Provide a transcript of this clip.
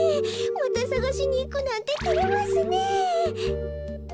またさがしにいくなんててれますねえ。